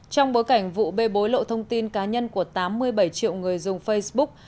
trong bối cảnh vụ bê bối lộ thông tin cá nhân của tám mươi bảy triệu người dùng facebook